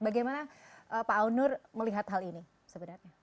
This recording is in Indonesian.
bagaimana pak aunur melihat hal ini sebenarnya